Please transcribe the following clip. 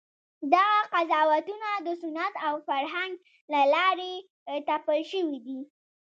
دغه قضاوتونه د سنت او فرهنګ له لارې تپل شوي دي.